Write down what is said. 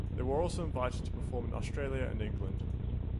They were also invited to perform in Australia and England.